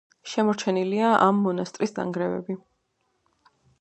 შემორჩენილია ამ მონასტრის ნანგრევები.